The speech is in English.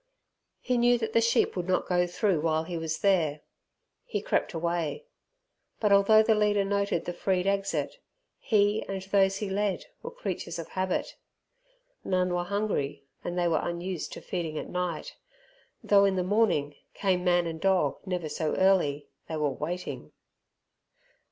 He knew that the sheep would not go through while he was there. He crept away, but although the leader noted the freed exit, he and those he led were creatures of habit. None were hungry, and they were unused to feeding at night, though in the morning, came man and dog never so early, they were waiting.